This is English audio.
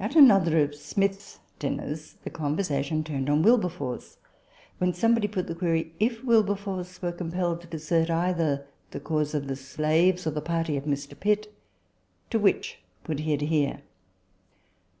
At another of Smith's dinners, the conversation turned on Wilberforce ; when somebody put the query : If Wilberforce were compelled to desert either the cause of the slaves, or the party of Mr. Pitt, to which would he adhere